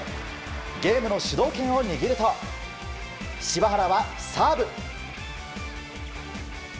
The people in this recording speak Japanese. ゲームの主導権を握ると柴原はサーブ。